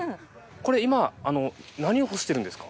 これ今あの何を干してるんですか？